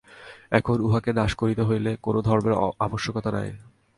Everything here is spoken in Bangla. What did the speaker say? এখন উহাকে নাশ করিতে হইলে কোন ধর্মের আবশ্যকতা নাই।